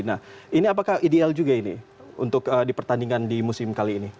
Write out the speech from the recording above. nah ini apakah ideal juga ini untuk di pertandingan di musim kali ini